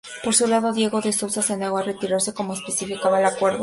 Por su lado, Diego de Souza se negó a retirarse como especificaba el acuerdo.